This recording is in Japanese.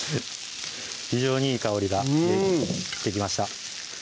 非常にいい香りがしてきました